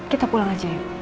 kita pulang aja yuk